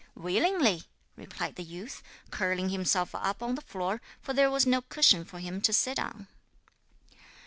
'Willingly,' replied the youth, curling himself up on the floor, for there was no cushion for him to sit on.